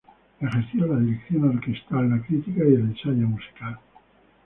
Ejerció la dirección orquestal, la crítica y el ensayo musical.